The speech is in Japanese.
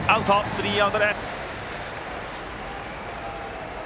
スリーアウトです。